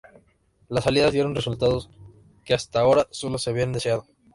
Las salidas dieron resultados que hasta ahora solo se habían deseado.